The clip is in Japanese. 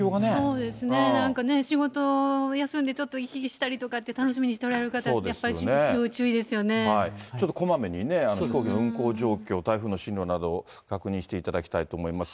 そうですね、なんかね、仕事を休んで、ちょっと行き来したりとかって、楽しみにしておらちょっとこまめにね、飛行機の運航状況、台風の進路などを確認していただきたいと思います。